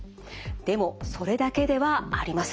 でもそれだけではありません。